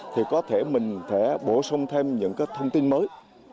thì có thể mình bổ sung thêm những thông tin mới